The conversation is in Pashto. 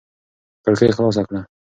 کړکۍ خلاصه کړه.